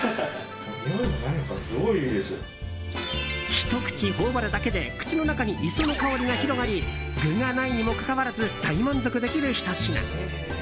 ひと口頬張るだけで口の中に磯の香りが広がり具がないにもかかわらず大満足できる一品。